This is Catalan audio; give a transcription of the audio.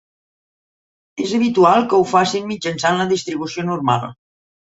És habitual que ho facin mitjançant la distribució normal.